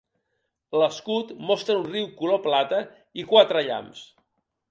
L'escut mostra un riu color plata i quatre llamps.